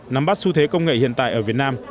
nắm bắt xu thế công nghệ hiện tại ở việt nam